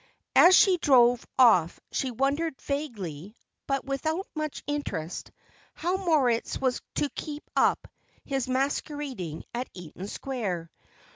As she drove off she wondered vaguely, but without much interest, how Moritz was to keep up his masquerading at Eaton Square.